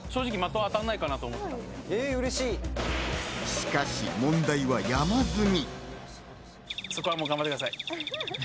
しかし問題は山積み。